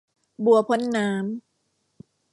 บัวพ้นน้ำ